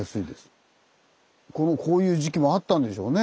このこういう時期もあったんでしょうね。